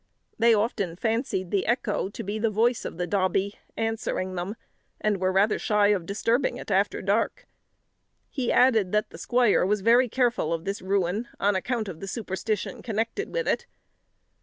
They often fancied the echo to be the voice of the dobbie answering them, and were rather shy of disturbing it after dark. He added, that the squire was very careful of this ruin, on account of the superstition connected with it.